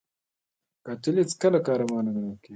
قاتل هیڅکله قهرمان نه ګڼل کېږي